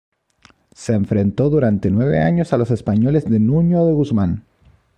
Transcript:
Se enfrentó durante nueve años a los españoles de Nuño de Guzmán.